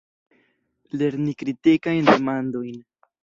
Lerni kritikajn demandojn.